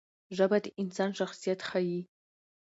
ژبه د انسان شخصیت ښيي.